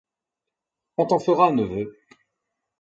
On t’en fera, neveu.